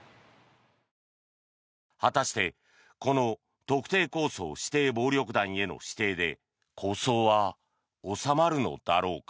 果たして、この特定抗争指定暴力団への指定で抗争は収まるのだろうか。